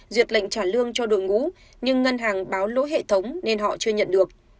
duyệt lệnh trả lương cho đội ngũ nhưng ngân hàng báo lỗi hệ thống nên họ chưa nhận được